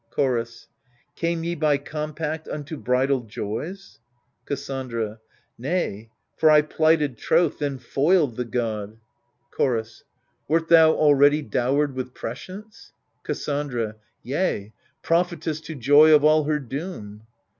Chorus Came ye by compact unto bridal joys ? Cassandra Nay — ^for I plighted troth, then foiled the god. AGAMEMNON 55 Chorus Wert thou already dowered with prescience ? Cassandra Yea — prophetess to Troy of all her doom.